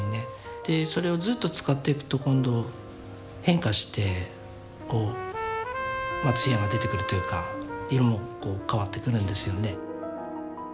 でそれをずっと使っていくと今度変化してこう艶が出てくるというか色もこう変わってくるんですよね。